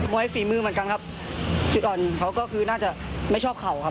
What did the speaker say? ฝีมือเหมือนกันครับสุดอ่อนเขาก็คือน่าจะไม่ชอบเข่าครับ